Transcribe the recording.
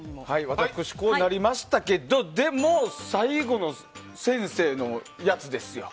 私、こうなりましたけど最後の先生のやつですよ。